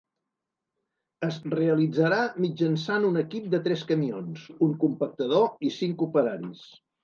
Es realitzarà mitjançant un equip de tres camions, un compactador i cinc operaris.